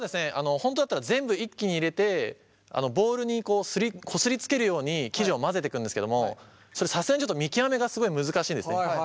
本当だったら全部一気に入れてボウルにこすりつけるように生地を混ぜてくんですけどもそれさすがにちょっと見極めがすごい難しいんですね。